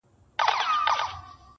جل وهلی سوځېدلی د مودو مودو راهیسي -